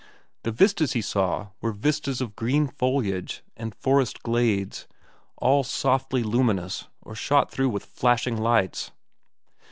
The vistas he saw were vistas of green foliage and forest glades, all softly luminous or shot through with flashing lights.